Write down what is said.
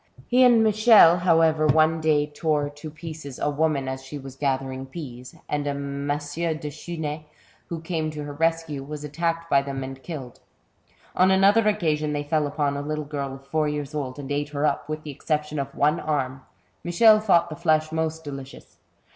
He and Michel, however, one day tore to A CHAPTER OF HORRORS. 78 pieces a woman as she was gathering peas ; and a M. de Chusn6e, who came to her rescue^ was attacked by them and killed. On another occasion they fell upon a little girl of four years old, and ate her up, with the exception of one arm. Michel thought the flesh most delicious.